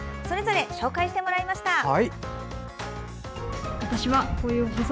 それぞれ紹介してもらいました。